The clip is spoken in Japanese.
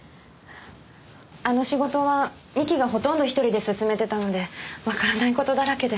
あの仕事は三木がほとんど１人で進めていたのでわからないことだらけで。